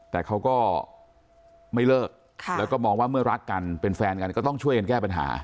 แต่เขาก็ไม่เลิกแล้วก็มองว่าเมื่อรักกันเป็นแฟนกันก็ต้องช่วยกันแก้ปัญหา